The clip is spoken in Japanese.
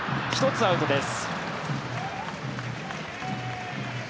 １つアウトです。